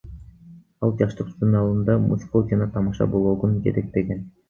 Ал Жаштык журналында мыскыл жана тамаша блогун жетектеген.